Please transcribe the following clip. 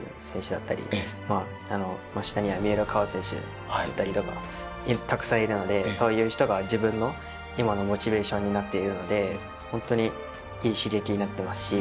下には三浦佳生選手だったりたくさんいるのでそういう人が自分の今のモチベーションになっているのでホントにいい刺激になってますし。